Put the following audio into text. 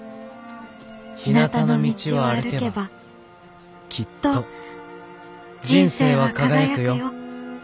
ひなたの道を歩けばきっと人生は輝くよ」。